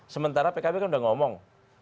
sementara pkb kan udah ngomong